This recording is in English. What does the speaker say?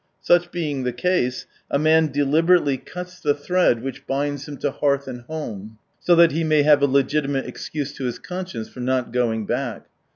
Such being the case, a man deliberately cuts the 37 thread which binds him to hearth and home, so that he may have a legitimate excuse to his conscience for not going back.